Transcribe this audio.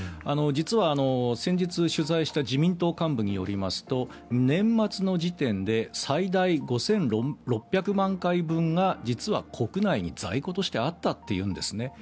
実は、先日取材した自民党幹部によりますと年末の時点で最大５６００万回分が実は国内に在庫としてあったというんですね。